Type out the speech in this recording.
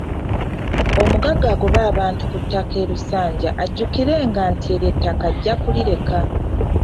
Omugagga agoba abantu ku ttaka e Lusanja ajjukirenga nti eryo ettaka ajja kulireka.